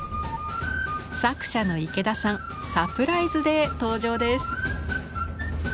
作者の池田さんサプライズで登場です！